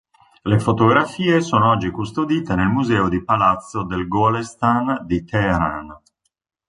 Le fotografie sono oggi custodite nel museo di Palazzo del Golestan di Teheran.